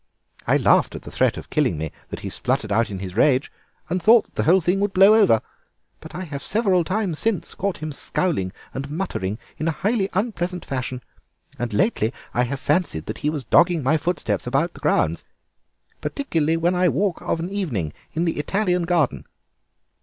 I laughed at the threat of killing me that he spluttered out in his rage, and thought the whole thing would blow over, but I have several times since caught him scowling and muttering in a highly unpleasant fashion, and lately I have fancied that he was dogging my footsteps about the grounds, particularly when I walk of an evening in the Italian Garden.